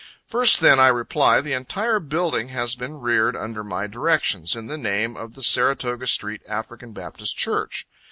First, then, I reply: This entire building has been reared under my directions, in the name of the Saratoga street African Baptist Church.